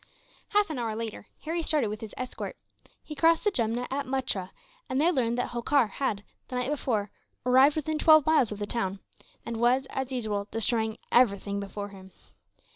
Half an hour later, Harry started with his escort. He crossed the Jumna at Muttra, and there learned that Holkar had, the night before, arrived within twelve miles of the town; and was, as usual, destroying everything before him.